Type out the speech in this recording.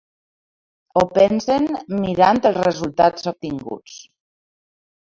Ho pensen mirant els resultats obtinguts.